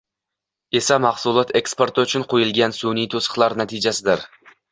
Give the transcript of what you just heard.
esa mahsulot eksporti uchun qo‘yilgan sun’iy to‘siqlar natijasidir.